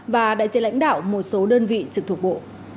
và đại diện lãnh đạo một số đơn vị trực thuộc bộ